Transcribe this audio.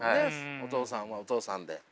お父さんはお父さんで。